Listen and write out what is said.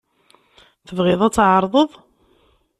Tebɣid ad tɛerḍed?